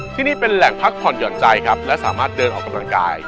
ที่นี่เป็นแหล่งพักผ่อนหย่อนใจครับและสามารถเดินออกกำลังกาย